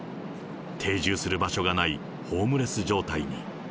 定住する場所がないホームレス状態に。